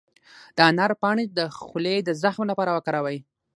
د انار پاڼې د خولې د زخم لپاره وکاروئ